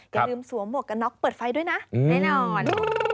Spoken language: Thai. อย่าลืมสวมหมวกกันน็อกเปิดไฟด้วยนะแน่นอน